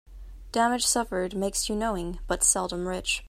Damage suffered makes you knowing, but seldom rich.